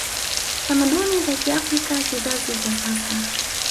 tamaduni za kiafrika Kizazi cha sasa